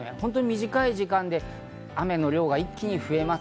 短い時間で雨の量が一気に増えます。